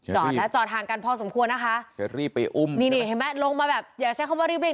จอดแล้วจอดทางกันพอสมควรนะคะเห็นไหมลงมาแบบอย่าใช้คำว่ารีบเร่ง